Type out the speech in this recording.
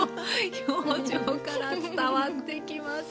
表情から伝わってきます。